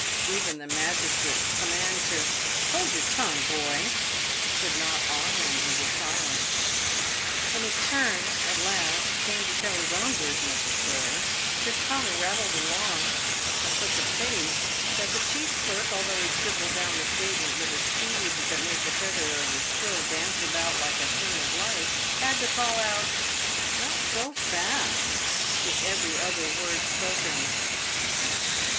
Even the magistrate's command to " Hold your tongue, boy," could not awe him into silence. When his turn at last came to tell his own version of the story, his tongue rattled along at such a pace that the chief clerk, although he scribbled down the statement : with a speed that made the feather of his quill dance about like a PAVED WITH GOLD. 227 thing of life, had to call out " not so fast" with every other word spoken.